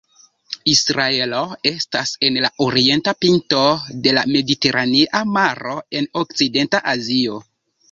Israelo estas en la orienta pinto de la Mediteranea Maro en Okcidenta Azio.